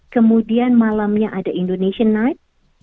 kemudian malamnya ada indonesian night